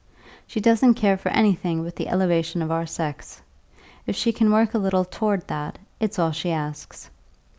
She doesn't care for anything but the elevation of our sex; if she can work a little toward that, it's all she asks.